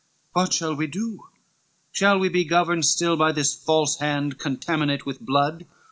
LXIX "What shall we do? shall we be governed still By this false hand, contaminate with blood?